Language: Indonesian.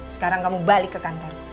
sekarang kamu balik ke kantor